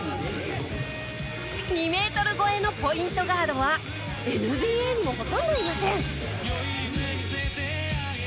２メートル超えのポイントガードはＮＢＡにもほとんどいません。